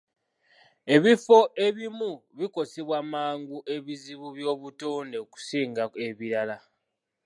Ebifo ebimu bikosebwa mangu ebizibu by'obutonde okusinga ebirala.